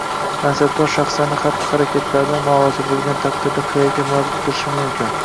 mansabdor shaxslarining xatti-harakatlaridan norozi bo‘lgan taqdirda qayerga murojaat qilishim mumkin?